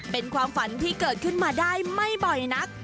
เป็นความฝันที่เกิดขึ้นมาได้ไม่บ่อยนัก